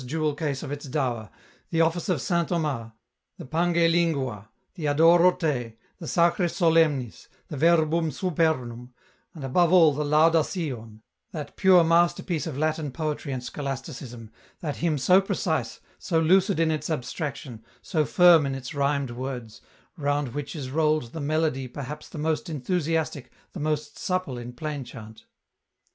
jewel case of its dower, the Office of Saint Thomas, the " Pange Lingua," the " Adore Te," the " Sacris Solemniis," the " Verbum Supernum," and above all the " Lauda Sion," that pure masterpiece of Latin poetry and scholasticism, that hymn so precise, so lucid in its abstraction, so firm in its rhymed words, round which is rolled the melody perhaps the most enthusiastic, the most supple in plain chant.